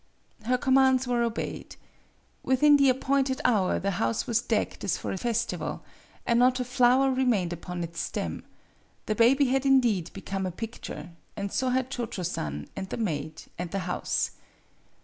HER commands were obeyed. Within the appointed hour the house was decked as for a festival, and not a flower remained upon its stem. The baby had indeed become a picture; and so had Cho Cho San and the maid and the house.